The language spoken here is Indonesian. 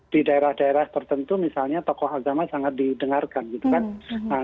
di daerah daerah tertentu misalnya tokoh agama sangat didengarkan gitu kan